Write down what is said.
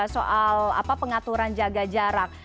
soal pengaturan jaga jarak